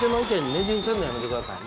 ねじ伏せるのやめてくださいね。